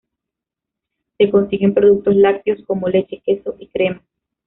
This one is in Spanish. Se consiguen productos lácteos como: leche, queso y crema.